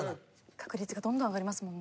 確率がどんどん上がりますもんね。